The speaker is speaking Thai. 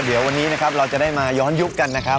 เดี๋ยววันนี้นะครับเราจะได้มาย้อนยุคกันนะครับ